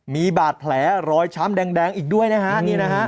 มีบาดแผลรอยช้ำแดงอีกด้วยนะฮะ